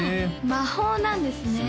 魔法なんですね